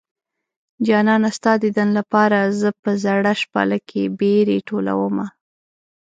جانانه ستا ديدن لپاره زه په زړه شپاله کې بېرې ټولومه